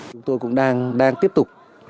chúng tôi cũng đang tiếp tục